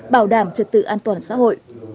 bảo đảm trật tự an toàn xã hội